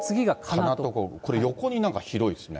横になんか広いですね。